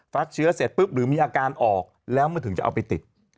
เชื้อเสร็จปุ๊บหรือมีอาการออกแล้วมันถึงจะเอาไปติด